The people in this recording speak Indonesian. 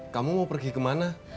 kamu mau pergi kemana